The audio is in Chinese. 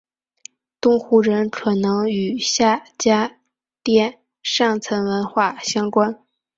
东胡人可能与夏家店上层文化相关。